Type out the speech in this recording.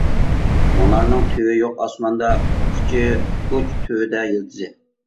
مۇنارنىڭ تۈۋى يوق ئاسماندا، ئۇچى-ئۇچ، تۈۋىدە يىلتىزى.